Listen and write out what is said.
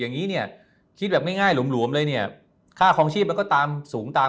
อย่างนี้เนี่ยคิดแบบง่ายหลวมเลยเนี่ยค่าคลองชีพมันก็ตามสูงตาม